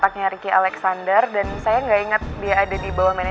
pertanyaannya akan accessing riki absolutely